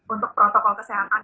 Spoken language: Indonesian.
untuk protokol kesehatan